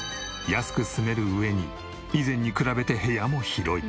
安く住める上に以前に比べて部屋も広い。